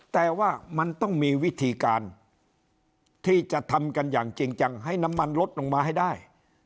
แต่ว่ามันต้องมีวิธีการที่จะทำกันอย่างจริงจังให้น้ำมันลดลงมาให้ได้